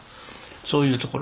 そういうところね。